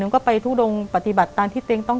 แต่ขอให้เรียนจบปริญญาตรีก่อน